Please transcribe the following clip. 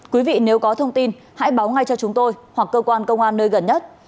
quý vị nếu có thông tin hãy báo ngay cho chúng tôi hoặc cơ quan công an nơi gần nhất